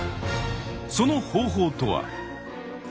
その方法とは。